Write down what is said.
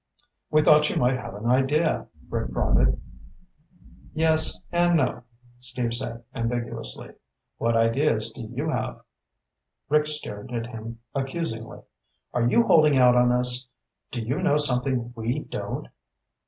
"We thought you might have an idea," Rick prodded. "Yes and no," Steve said ambiguously. "What ideas do you have?" Rick stared at him accusingly. "Are you holding out on us? Do you know something we don't?"